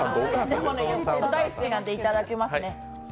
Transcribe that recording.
でも、大好きなんでいただきますね。